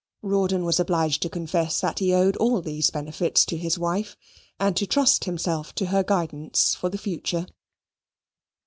Rawdon was obliged to confess that he owed all these benefits to his wife, and to trust himself to her guidance for the future.